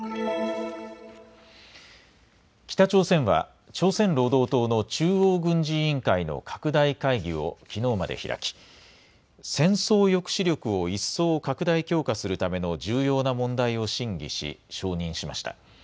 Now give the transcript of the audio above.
北朝鮮は朝鮮労働党の中央軍事委員会の拡大会議をきのうまで開き戦争抑止力を一層、拡大・強化するための重要な問題を審議し承認しました。